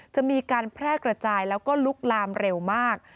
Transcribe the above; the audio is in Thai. จะมีการแพร่กระจายแล้วก็ลุกลามเร็วมาก